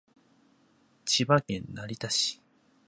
千葉県成田市